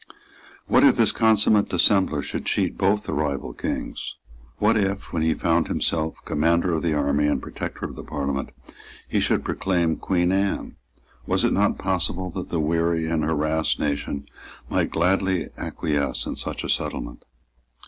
What if this consummate dissembler should cheat both the rival kings? What if, when he found himself commander of the army and protector of the Parliament, he should proclaim Queen Anne? Was it not possible that the weary and harassed nation might gladly acquiesce in such a settlement?